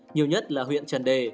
nhiều nhất là huyện trần đề